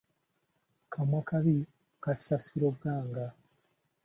Kamwa-kabi, kassa Siroganga.